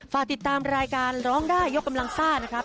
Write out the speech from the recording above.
ฝากติดตามรายการร้องได้ยกกำลังซ่านะครับ